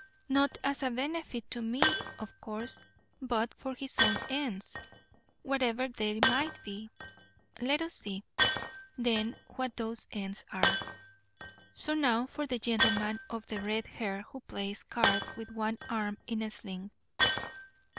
Not as a benefit to me, of course, but for his own ends, whatever they might be. Let us see, then, what those ends are. So now for the gentleman of the red hair who plays cards with one arm in a sling."